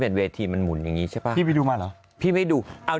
เป็นเวทีมันหมุนอย่างนี้ใช่เปล่า